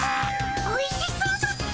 おいしそうだっピ。